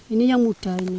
ini yang muda ini